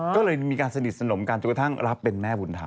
ก็เลยมีการสนิทสนมกันจนกระทั่งรับเป็นแม่บุญธรรม